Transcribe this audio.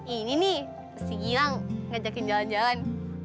ini nih si gilang ngajakin jalan jalan